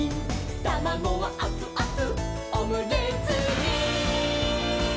「たまごはあつあつオムレツに」